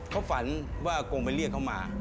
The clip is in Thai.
เขาฝันว่ากงไปเรียกเขามา